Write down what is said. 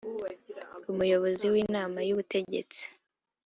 umuyobozi w’inama y’ubutegetsi